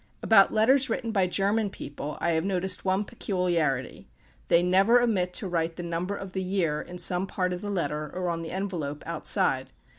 About letters written by German people I have noticed one peculiarity: they never omit to write the number of the year in some part of the letter, or on the envelope, outside.